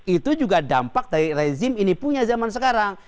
itu juga dampak dari rezim ini punya zaman sekarang